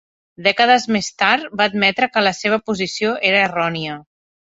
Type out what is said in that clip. Dècades més tard, va admetre que la seva posició era errònia.